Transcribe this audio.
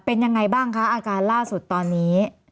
เป็นยังไงบ้างคะอาการล่าสุดตอนนี้